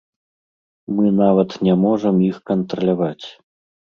Мы нават не можам іх кантраляваць.